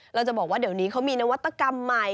เราจะบอกว่าเดี๋ยวนี้เขามีนวัตกรรมใหม่